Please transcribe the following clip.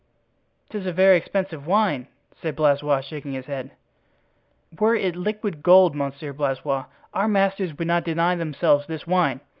"'Tis a very expensive wine," said Blaisois, shaking his head. "Were it liquid gold, Monsieur Blaisois, our masters would not deny themselves this wine.